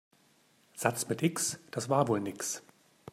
Satz mit X, das war wohl nix.